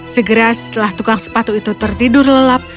segera setelah tukang sepatu itu tertidur lelap